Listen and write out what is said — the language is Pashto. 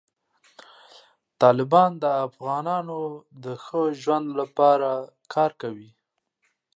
طالبان د افغانانو د ښه ژوند لپاره کار کوي.